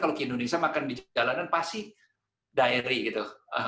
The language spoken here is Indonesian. kalau ke indonesia makan di jalanan pasti diary gitu